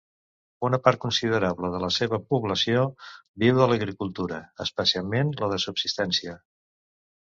Una part considerable de la seva població viu de l'agricultura, especialment la de subsistència.